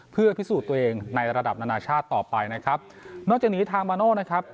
เพื่อพิสูจน์ตัวเองในระดับนานาชาติต่อไปนะครับนอกจากนี้ทางมาโน่นะครับ